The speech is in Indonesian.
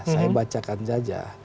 saya bacakan saja